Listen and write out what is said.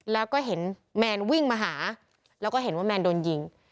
แล้วก็เห็นว่าแมนโดนยิง